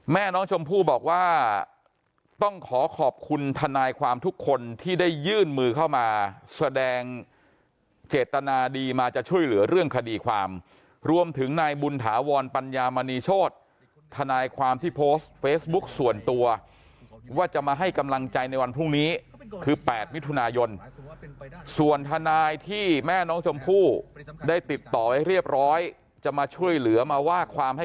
แม่น้องชมพู่บอกว่าต้องขอขอบคุณทนายความทุกคนที่ได้ยื่นมือเข้ามาแสดงเจตนาดีมาจะช่วยเหลือเรื่องคดีความรวมถึงนายบุญถาวรปัญญามณีโชธนายความที่โพสต์เฟซบุ๊กส่วนตัวว่าจะมาให้กำลังใจในวันพรุ่งนี้คือ๘มิถุนายนส่วนทนายที่แม่น้องชมพู่ได้ติดต่อไว้เรียบร้อยจะมาช่วยเหลือมาว่าความให้